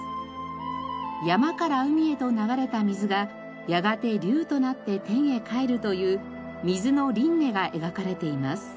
山から海へと流れた水がやがて龍となって天へかえるという水の輪廻が描かれています。